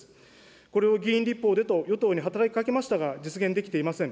これを議員立法でと、与党に働きかけましたが、実現できていません。